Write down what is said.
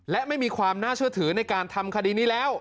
และไม่มีความน่าเชื่อถือในการทำคดีนี้แล้ว